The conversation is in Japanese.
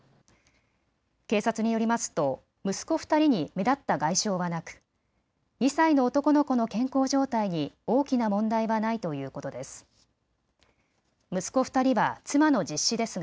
警察によりますと息子２人に目立った外傷はなく、２歳の男の子の健康状態に大きな問題はないということです。